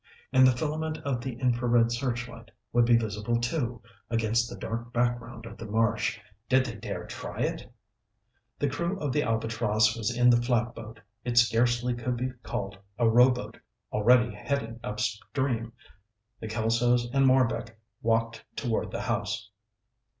And the filament of the infrared searchlight would be visible, too, against the dark background of the marsh. Did they dare try it? The crew of the Albatross was in the flatboat it scarcely could be called a rowboat already heading upstream. The Kelsos and Marbek walked toward the house.